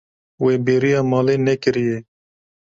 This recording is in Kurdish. Wê bêriya malê nekiriye.